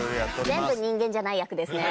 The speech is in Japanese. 全部人間じゃない役ですね。